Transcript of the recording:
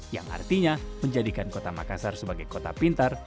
yang artinya menjadikan kota makassar sebagai kota pintar